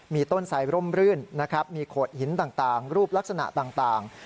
มีต้นไซร่มรื่นนะครับมีโขดหินต่างรูปลักษณะต่าง